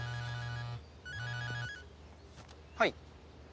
はい。